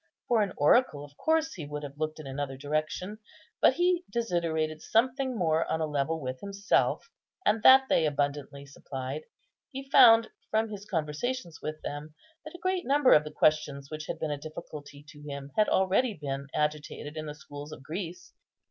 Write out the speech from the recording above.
For an oracle, of course, he would have looked in another direction; but he desiderated something more on a level with himself, and that they abundantly supplied. He found, from his conversations with them, that a great number of the questions which had been a difficulty to him had already been agitated in the schools of Greece.